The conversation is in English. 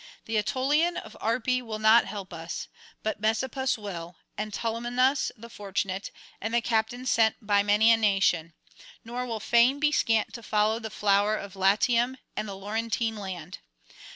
The Aetolian of Arpi will not help us; but Messapus will, and Tolumnius the fortunate, and the captains sent by many a nation; nor will fame be scant to follow the flower of Latium and the Laurentine land.